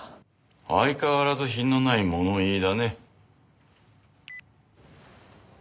相変わらず品のないもの言いだね。